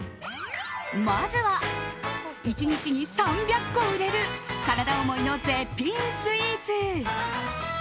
まずは、１日に３００個売れる体思いの絶品スイーツ。